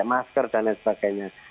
masker dan lain sebagainya